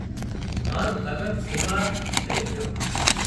هانَ ڀڳت بيمار ٿئي جھو